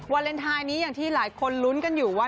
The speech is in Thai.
วาเลนไทยนี้อย่างที่หลายคนลุ้นกันอยู่ว่า